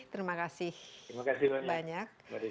terima kasih banyak